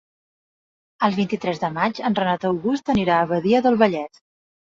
El vint-i-tres de maig en Renat August anirà a Badia del Vallès.